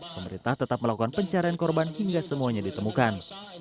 pemerintah tetap melakukan pencarian korban hingga semuanya ditemukan